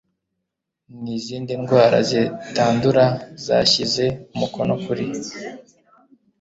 n izindi ndwara zitandura yashyize umukono kuri